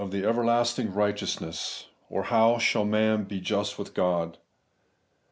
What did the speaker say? I THE EVERLASTINa RIGHTEOUSNESS ; OR, HOW SHALL MAN BE JUST WITH GOD ?